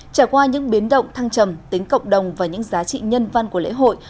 trải qua những biến động thăng trầm tính cộng đồng và những giá trị nhân văn của lễ hội